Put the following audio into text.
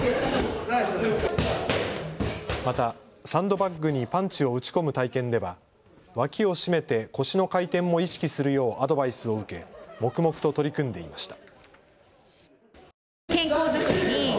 またサンドバッグにパンチを打ち込む体験では脇を締めて腰の回転も意識するようアドバイスを受け黙々と取り組んでいました。